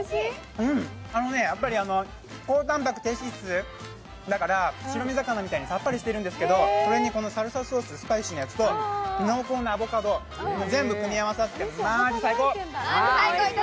あのね、高タンパク低脂質だから白身魚みたいにさっぱりしてるんですけど、それにサルサソースのスパイシーなやつと濃厚なアボカド、全部組み合わさってマジ最高！